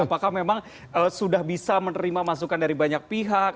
apakah memang sudah bisa menerima masukan dari banyak pihak